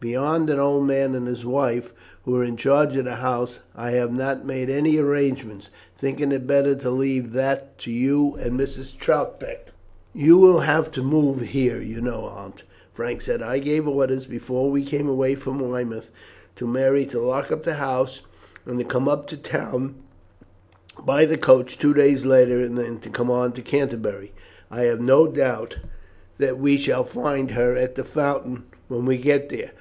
Beyond an old man and his wife, who are in charge of the house, I have not made any arrangements, thinking it better to leave that to you and Mrs. Troutbeck." "You will have to move here, you know, Aunt," Frank said. "I gave orders, before we came away from Weymouth, to Mary to lock up the house, and to come up to town by the coach two days later, and then to come on to Canterbury. I have no doubt that we shall find her at the Fountain when we get there.